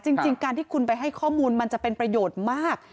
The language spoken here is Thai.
จริงการที่คุณไปให้ข้อมูลมันจะเป็นประโยชน์มาก